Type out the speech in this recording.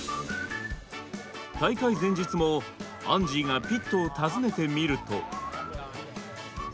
大会前日もアンジーがピットを訪ねてみると。